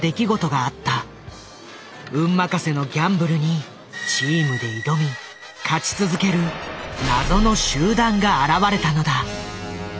運任せのギャンブルにチームで挑み勝ち続ける謎の集団が現れたのだ。